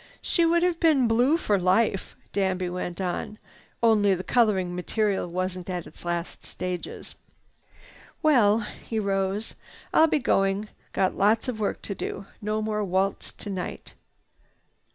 "She would have been blue for life," Danby went on, "only the coloring material wasn't in its last stages. "Well—" he rose. "I'll be going. Got a lot of work to do. No more waltz tonight."